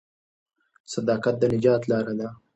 صداقت د نجات لار ده.